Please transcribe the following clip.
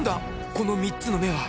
この３つの目は？